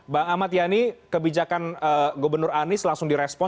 bang ahmad yani kebijakan gubernur anies langsung direspon